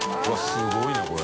すごいなこれ。